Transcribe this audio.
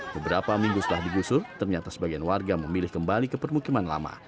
beberapa minggu setelah digusur ternyata sebagian warga memilih kembali ke permukiman lama